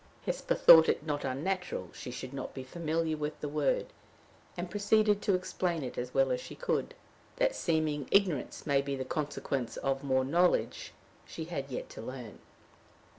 Hesper thought it not unnatural she should not be familiar with the word, and proceeded to explain it as well as she could. That seeming ignorance may be the consequence of more knowledge, she had yet to learn.